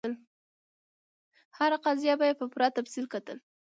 هره قضیه به یې په پوره تفصیل کتل.